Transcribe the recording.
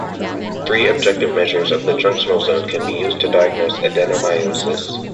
Three objective measures of the junctional zone can be used to diagnose adenomyosis.